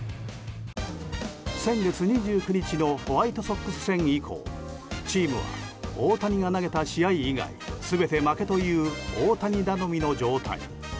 先月２９日のホワイトソックス戦以降チームは大谷が投げた試合以外全て負けという大谷頼みの状態。